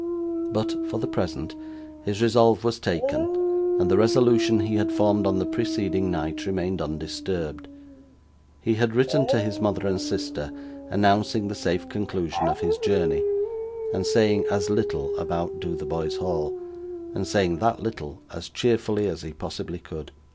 But, for the present, his resolve was taken, and the resolution he had formed on the preceding night remained undisturbed. He had written to his mother and sister, announcing the safe conclusion of his journey, and saying as little about Dotheboys Hall, and saying that little as cheerfully, as he possibly could.